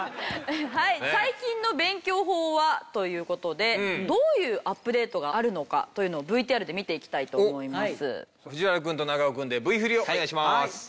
はい最近の勉強法はという事でどういうアップデートがあるのかというのをＶＴＲで見ていきたいと思います。